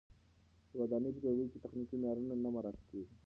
د ودانیو په جوړولو کې تخنیکي معیارونه نه مراعت کېږي.